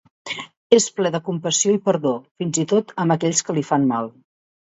És ple de compassió i perdó, fins i tot amb aquells que li fan mal.